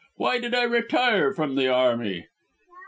Why did I retire from the army?"